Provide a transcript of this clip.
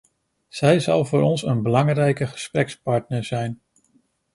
Zij zal voor ons een belangrijke gesprekspartner zijn.